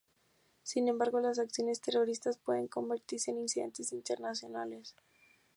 Sin embargo, las acciones terroristas pueden convertirse en incidentes internacionales.